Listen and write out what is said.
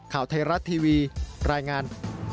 ข่าวไทยรัฐทีวีรายงาน